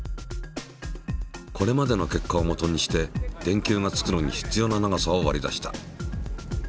これまでの結果をもとにして電球がつくのに必要な長さを割り出した。